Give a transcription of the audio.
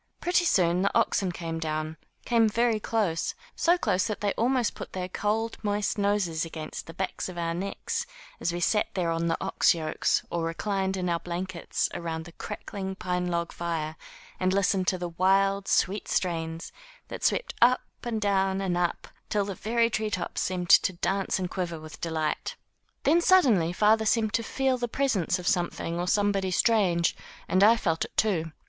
Pretty soon the oxen came down, came very close, so close that they almost put their cold, moist noses against the backs of our necks as we sat there on the ox yokes or reclined in our blankets, around the crackling pine log fire and listened to the wild, sweet strains that swept up and down and up till the very tree tops seemed to dance and quiver with delight. Then suddenly father seemed to feel the presence of some thing or somebody strange, and I felt it, too.